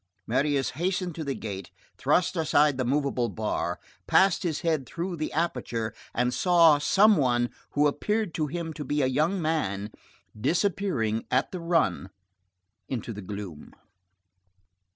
Marius hastened to the gate, thrust aside the movable bar, passed his head through the aperture, and saw some one who appeared to him to be a young man, disappearing at a run into the gloom.